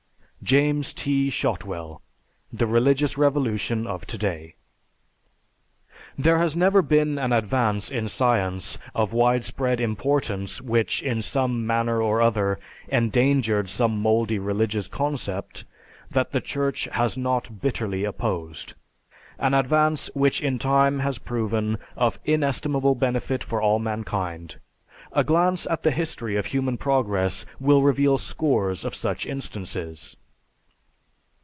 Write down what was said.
(James T. Shotwell: "The Religious Revolution of To day.") _There has never been an advance in science of widespread importance which in some manner or other endangered some mouldy religious concept, that the Church has not bitterly opposed; an advance which in time has proven of inestimable benefit for all mankind. A glance at the history of human progress will reveal scores of such instances.